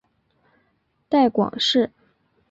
带广市